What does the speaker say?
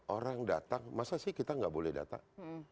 orang datang masa sih kita nggak boleh datang